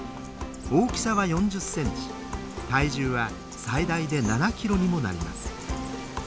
大きさは４０センチ体重は最大で７キロにもなります。